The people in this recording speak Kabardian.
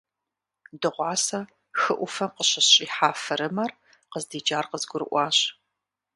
Дыгъуасэ хы Ӏуфэм къыщысщӀихьа фырымэр къыздикӀар къызгурыӀуащ.